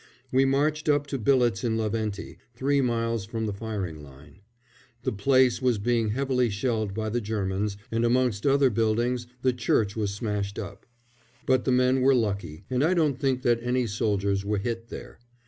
We marched up to billets in Laventi, three miles from the firing line. The place was being heavily shelled by the Germans, and amongst other buildings the church was smashed up; but the men were lucky, and I don't think that any soldiers were hit there.